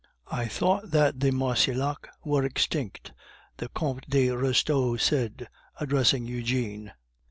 "I thought that the Marcillacs were extinct," the Comte de Restaud said, addressing Eugene.